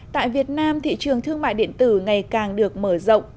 tại việt nam thị trường thương mại điện tử ngày càng được mở rộng